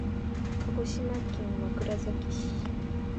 鹿児島県枕崎市